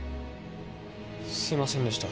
すいませんでした。